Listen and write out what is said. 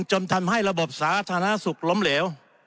จนทำให้ระบบสาธารณสุขล้มเหลว